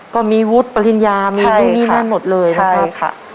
ก็มีวุฒิปริญญามีดูนี่นั่นหมดเลยครับ